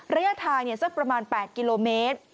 ระยะทางสักประมาณ๘กิโลเมตร